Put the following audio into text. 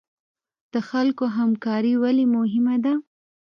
د خلکو همکاري ولې مهمه ده؟